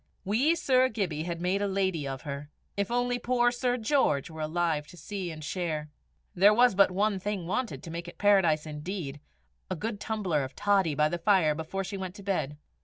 Wee Sir Gibbie had made a lady of her! If only poor Sir George were alive to see and share! There was but one thing wanted to make it Paradise indeed a good tumbler of toddy by the fire before she went to bed!